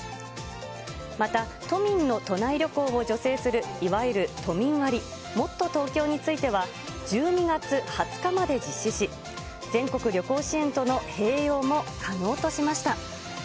また、都民の都内旅行を助成するいわゆる都民割、もっとＴｏｋｙｏについては１２月２０日まで実施し、全国旅行支援との併用も可能としました。